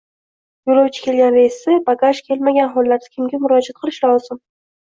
Yo‘lovchi kelgan reysda bagaj kelmagan hollarda kimga murojaat qilish lozim?